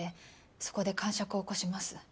そこでかんしゃくを起こします。